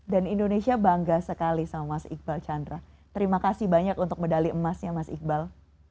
dan indonesia bangga sekali sama mas iqbal chandra terima kasih banyak untuk medali emasnya mas iqbal